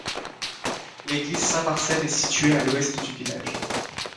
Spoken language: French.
L'église Saint-Marcel est située à l'ouest du village.